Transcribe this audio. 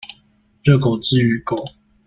熱狗之於狗